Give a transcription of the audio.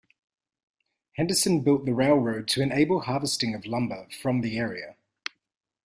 Henderson built the railroad to enable harvesting of lumber from the area.